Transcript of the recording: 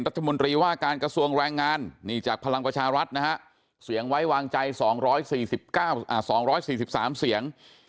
รัฐมนตรีว่าการกระทรวงแรงงานนี่จากพลังประชารัฐนะฮะเสียงไว้วางใจ๒๔๓เสียง